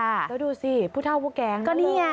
แล้วดูสิผู้เท่าผู้แก่นึกมาด้วย